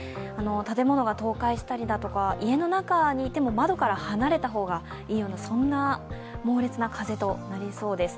建物が倒壊したりだとか家の中にいても窓から離れた方がいいような猛烈な風となりそうです。